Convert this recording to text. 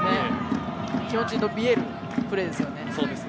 気持ちの見えるプレーですよね。